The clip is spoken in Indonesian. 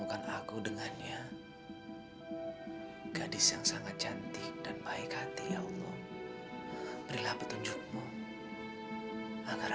terus dia ngajakin lo pulang